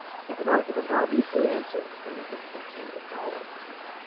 '—is an argument not easily answered in the infancy of knowledge.